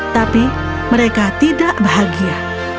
tapi mereka tidak bahagia